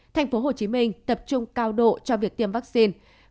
tp hcm tập trung cao độ cho việc tiêm vaccine